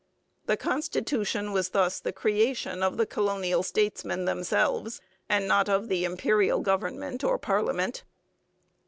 The constitution was thus the creation of the colonial statesmen themselves, and not of the Imperial government or parliament.